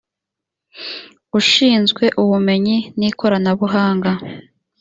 ishinzwe ubumenyi n ikoranabuhanga